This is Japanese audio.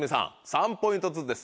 ３ポイントずつです。